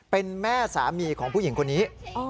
เป็นแม่สามีของผู้หญิงคนนี้